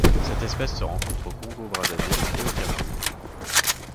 Cette espèce se rencontre au Congo-Brazzaville et au Cameroun.